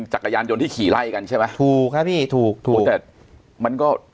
จักรยานยนต์ที่ขี่ไล่กันใช่ไหมถูกครับพี่ถูกถูกแต่มันก็